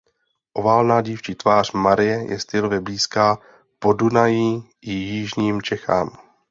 Oválná dívčí tvář Marie je stylově blízká Podunají i Jižním Čechám.